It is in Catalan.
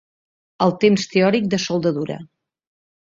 El temps teòric de soldadura.